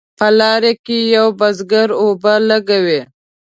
په لار کې یو بزګر اوبه لګوي.